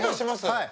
はい。